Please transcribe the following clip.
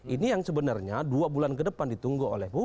ini yang sebenarnya dua bulan ke depan ditunggu oleh publik